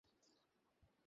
এবার এগুলো বের করতে হবে।